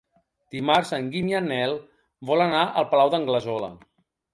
Dimarts en Guim i en Nel volen anar al Palau d'Anglesola.